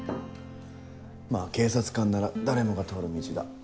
まぁ警察官なら誰もが通る道だ。